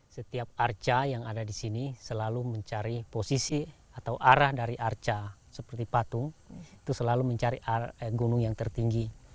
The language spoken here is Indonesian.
setiap arca yang ada di sini selalu mencari posisi atau arah dari arca seperti patung itu selalu mencari gunung yang tertinggi